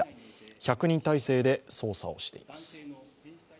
１００人態勢で捜査しています。